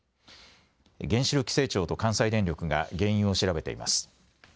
原子力規制庁と関西電力が原因を調べています。